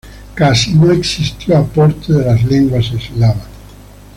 Casi no existió aporte de las lenguas eslavas.